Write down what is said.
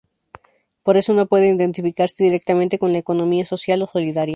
Por eso no puede identificarse directamente con la Economía Social o Solidaria.